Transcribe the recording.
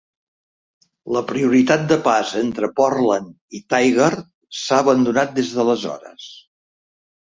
La prioritat de pas entre Portland i Tigard s'ha abandonat des d'aleshores.